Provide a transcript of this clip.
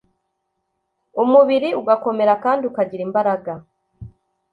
umubiri ugakomera kandi akagira imbaraga.